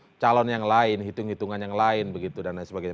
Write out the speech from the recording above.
mengusung calon yang lain hitung hitungan yang lain dan sebagainya